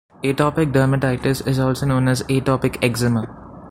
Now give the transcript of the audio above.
Atopic dermatitis is also known as atopic eczema.